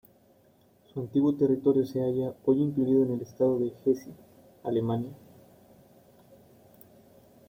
Su antiguo territorio se halla hoy incluido en el estado de Hesse, Alemania.